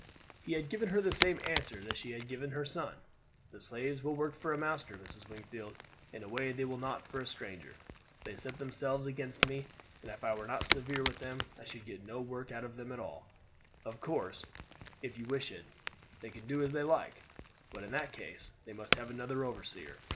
He had given her the same answer that she had given her son: "The slaves will work for a master, Mrs. Wingfield, in a way they will not for a stranger. They set themselves against me, and if I were not severe with them I should get no work at all out of them. Of course, if you wish it, they can do as they like; but in that case they must have another overseer.